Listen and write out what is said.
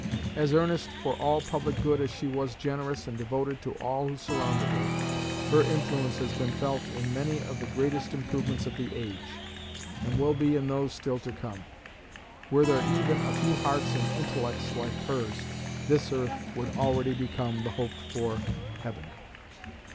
As earnest for all public good as she was generous and devoted to all who surrounded her, her influence has been felt in many of the greatest improvements of the age, and will be in those still to come. Were there even a few hearts and intellects like hers, this earth would already become the hoped for heaven."